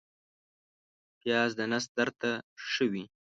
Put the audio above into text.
پیاز د نس درد ته ښه وي